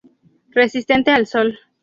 Resistente al sol.